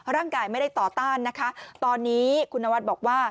ร่างกายไม่ได้ต่อต้านนะคะตอนนี้คุณนวัดบอกว่า